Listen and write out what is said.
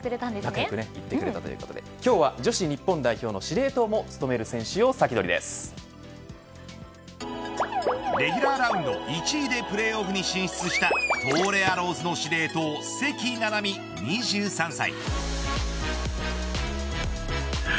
仲良くやってくれたってことで今日は女子日本代表の司令塔も務める選手をレギュラーラウンド１位でプレーオフに進出した東レアローズの司令塔関菜々巳２３歳。